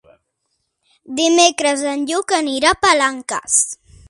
Dimecres en Lluc anirà a Palanques.